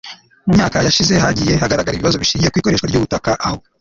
Mu myaka yashize hagiye hagaragara ibibazo bishingiye ku ikoreshwa ry ubutaka aho